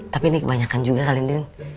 tapi ini kebanyakan juga kali ini